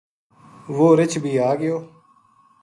وہ رچھ بی آ گیو